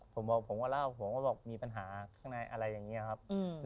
ผมบอกผมก็เล่าผมก็บอกมีปัญหาข้างในอะไรอย่างนี้ครับ